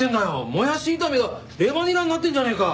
もやし炒めがレバニラになってんじゃねえか！